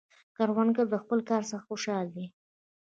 کروندګر د خپل کار څخه خوشحال دی